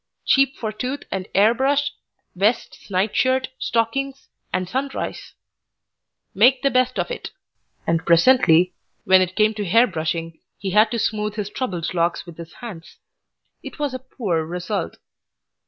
cheap for tooth and 'air brush, vests, night shirt, stockings, and sundries. "Make the best of it," and presently, when it came to hair brushing, he had to smooth his troubled locks with his hands. It was a poor result.